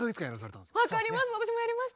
私もやりました。